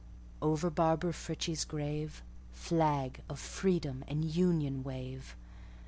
Over Barbara Frietchie's grave, Flag of Freedom and Union, wave!